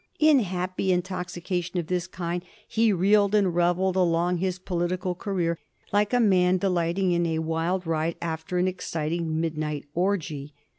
In happy intoxication of this kind he reeled and revelled along his political career like a man delighting in a wild ride after an exciting midnight orgy.